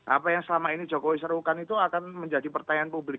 apa yang selama ini jokowi serukan itu akan menjadi pertanyaan publik